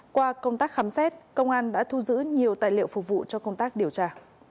qua công tác khám xét công an đã thu giữ nhiều tài liệu phục vụ cho công tác điều tra